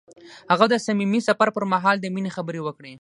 هغه د صمیمي سفر پر مهال د مینې خبرې وکړې.